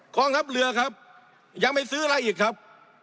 กองทัพเรือครับยังไม่ซื้ออะไรอีกครับ